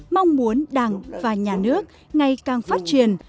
mong muốn đảng và nhà nước ngày càng phát triển